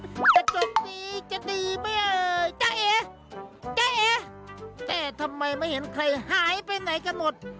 จะจดนี้จะดีมั้ยจ๊ะเอ๊ะจ๊ะเอ๊ะแต่ทำไมไม่เห็นใครหายไปไหนกันหมด